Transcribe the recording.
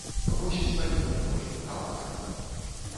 Вось успамінак мой, аўтара.